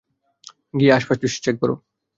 গিয়ে আশপাশ চেক বরো।